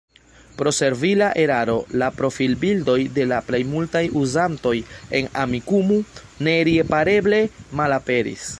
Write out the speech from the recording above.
Pro servila eraro la profilbildoj de la plej multaj uzantoj en Amikumu neripareble malaperis.